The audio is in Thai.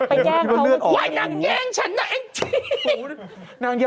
ไปแย่งเขาว่ายนางแย่งฉันนะไอ้ชิบ